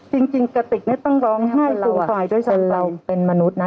จริงจริงกะติกเนี้ยต้องร้องไห้กลุ่มภายด้วยสักไปเราเป็นมนุษย์นะ